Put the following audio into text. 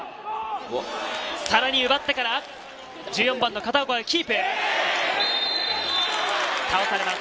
さらに奪ってから１４番の片岡がキープ。